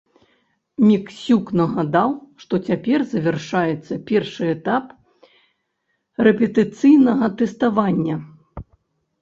Міксюк нагадаў, што цяпер завяршаецца першы этап рэпетыцыйнага тэставання.